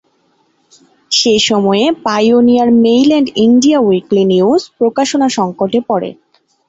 সে সময়ে "Pioneer Mail and India Weekly News" প্রকাশনা-সংকটে পরে।